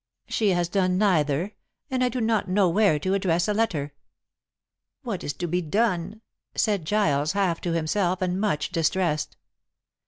"She has done neither, and I do not know where to address a letter." "What is to be done?" said Giles half to himself and much distressed.